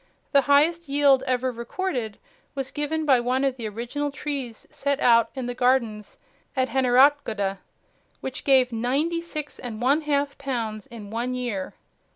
The highest yield ever recorded was given by one of the original trees set out in the gardens at Heneratgoda, which gave ninety six and one half pounds in one year.